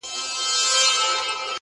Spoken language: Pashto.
زما له میني لوی ښارونه لمبه کیږي؛